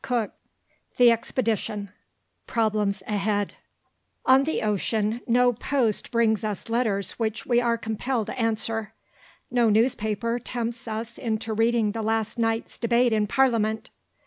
CHAPTER II THE EXPEDITION PROBLEMS AHEAD On the ocean no post brings us letters which we are compelled to answer. No newspaper tempts us into reading the last night's debate in Parliament.